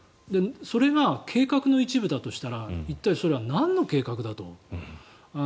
それが計画の一部だとしたら一体、それはなんの計画だと。